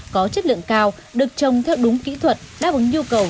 có chất lượng cao được trồng theo đúng kỹ thuật đáp ứng nhu cầu